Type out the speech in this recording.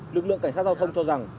lực lượng cảnh sát giao thông cho rằng